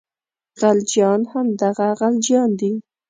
خلجیان همدغه غلجیان دي.